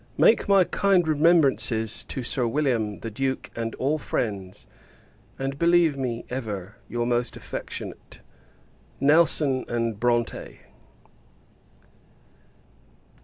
Make my kind remembrances to Sir William, the Duke, and all friends; and believe me, ever, your most affectionate NELSON & BRONTE.